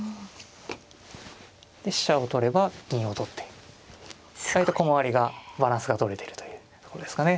で飛車を取れば銀を取って意外と駒割りがバランスがとれているというとこですかね。